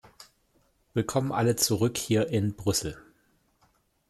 Willkommen alle zurück hier in Brüssel!